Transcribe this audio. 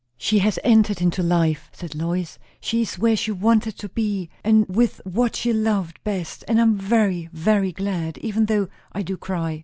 "She has entered into life!" said Lois. "She is where she wanted to be, and with what she loved best. And I am very, very glad! even though I do cry."